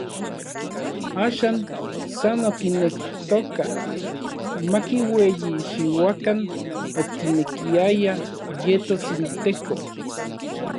Axan san okinektoka makiueyichiuakan, okinekiaya yetos inTeko.